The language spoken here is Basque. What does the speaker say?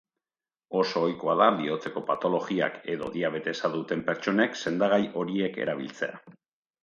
Oso ohikoa da bihotzeko patologiak edo diabetesa duten pertsonek sendagai horiek erabiltzea.